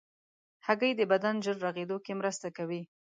هګۍ د بدن ژر رغېدو کې مرسته کوي.